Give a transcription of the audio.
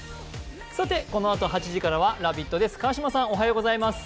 このあと８時からは「ラヴィット！」です。